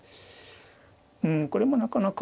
うんこれもなかなか。